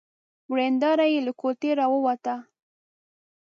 ورېندار يې له کوټې را ووته.